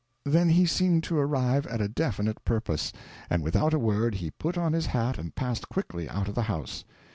Then he seemed to arrive at a definite purpose; and without a word he put on his hat and passed quickly out of the house.